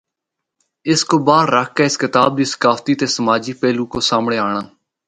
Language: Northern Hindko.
اس کو باہر رکھ کہ اس کتاب دی ثقافتی تے سماجی پہلو کو سامنڑے آنڑاں۔